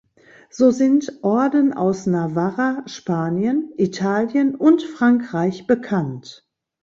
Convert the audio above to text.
So sind Orden aus Navarra, Spanien, Italien und Frankreich bekannt.